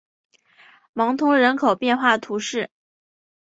芒通人口变化图示